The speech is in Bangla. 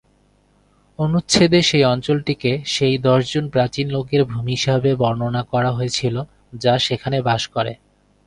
অনুচ্ছেদে সেই অঞ্চলটিকে সেই দশজন প্রাচীন লোকের ভূমি হিসাবে বর্ণনা করা হয়েছিল যা সেখানে বাস করে।